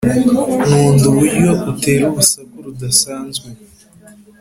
nkunda uburyo utera urusaku rudasanzwe